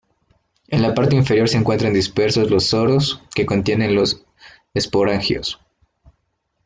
En la parte inferior se encuentran dispersos los soros que contienen los esporangios.